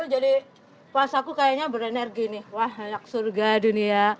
jadi puasaku kayaknya berenergi nih wah enak surga dunia